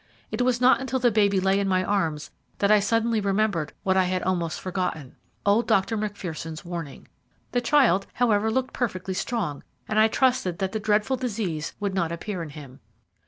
It was not until the baby lay in my arms that I suddenly remembered what I had almost forgotten old Dr. Macpherson's warning. The child however, looked perfectly strong, and I trusted that the dreadful disease would not appear in him.